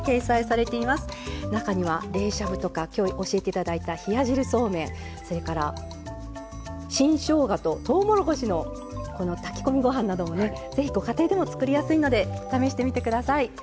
中には冷しゃぶとかきょう教えていただいた冷や汁そうめんそれから新しょうがととうもろこしの炊き込みご飯などもねぜひご家庭でも作りやすいので試してみてください。